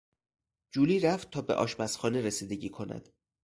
جولی رفت تا به آشپزخانه رسیدگی کند.